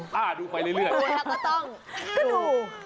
ต้องตั้งใจดู